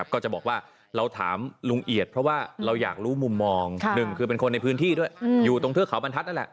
ก็จะบอกว่าเราถามลุงเอียดเพราะว่าเราอยากรู้มุมมองหนึ่งคือเป็นคนในพื้นที่ด้วยอยู่ตรงเทือกเขาบรรทัศน์นั่นแหละ